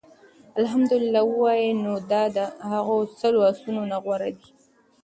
اَلْحَمْدُ لِلَّه ووايي، نو دا د هغو سلو آسونو نه غوره دي